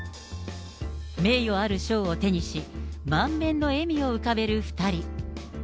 名誉ある賞を手にし、満面の笑みを浮かべる２人。